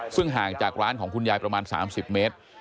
ซึ่งห่างจากร้านของคุณยายประมาณ๓๐เมตร